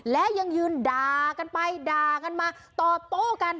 และยังยืนด่ากันไปด่ากันมาตอบโต้กัน